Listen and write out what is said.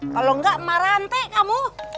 kalau enggak marah hantai kamu